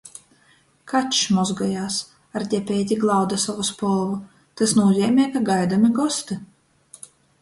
Kačs mozgojās, ar depeiti glauda sovu spolvu, tys nūzeimej, ka gaidomi gosti.